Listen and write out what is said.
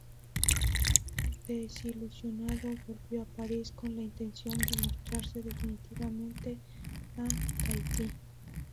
Desilusionado volvió a París con la intención de marcharse definitivamente a Tahití.